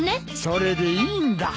それでいいんだ。